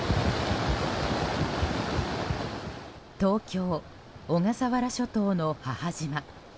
東京・小笠原諸島の母島。